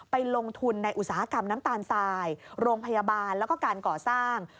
ไปลงทุนในอุตสาหกรรมน้ำตาลทรายโรงพยาบาลแล้วก็การก่อสร้าง